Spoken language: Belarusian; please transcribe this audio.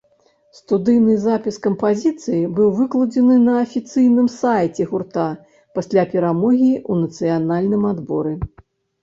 Студыйны запіс кампазіцыі быў выкладзены на афіцыйным сайце гурта пасля перамогі ў нацыянальным адборы.